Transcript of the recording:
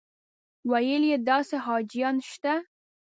ویل یې داسې حاجیان شته.